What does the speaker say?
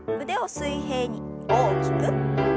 腕を水平に大きく。